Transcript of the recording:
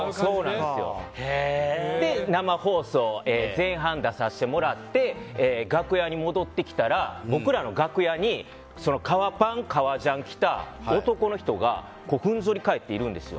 生放送、前半出させてもらって楽屋に戻ってきたら僕らの楽屋のところに革パン、革ジャン着た男の人がふんぞり返っているんです。